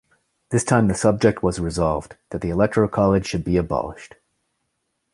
This time the subject was Resolved: That the Electoral College Should be Abolished.